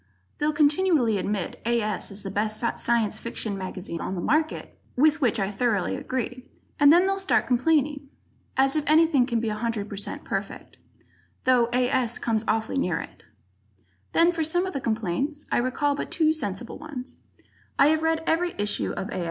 They'll continually admit A. S. is the best Science Fiction mag on the market (with which I thoroughly agree) and then they'll start complaining. As if anything can be 100% perfect though A. S. comes awfully near it! Then for some of the complaints, I recall but two sensible ones. I have read every issue of A.